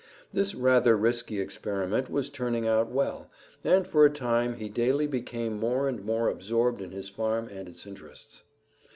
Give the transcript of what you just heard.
This rather risky experiment was turning out well, and for a time he daily became more and more absorbed in his farm and its interests.